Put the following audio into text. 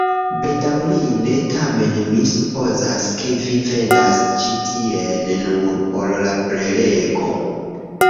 Bedaŭrinde, tamen mi supozas, ke vi venas ĉi tien nur por la prelego